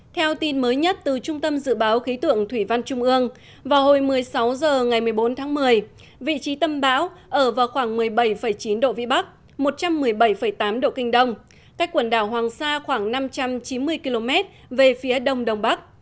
theo tin mới nhất từ trung tâm dự báo khí tượng thủy văn trung ương vào hồi một mươi sáu h ngày một mươi bốn tháng một mươi vị trí tâm bão ở vào khoảng một mươi bảy chín độ vĩ bắc một trăm một mươi bảy tám độ kinh đông cách quần đảo hoàng sa khoảng năm trăm chín mươi km về phía đông đông bắc